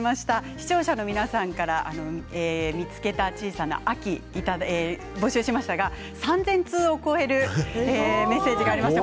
視聴者の皆さんから見つけた小さな秋募集しましたが３０００通を超えるメッセージがありました。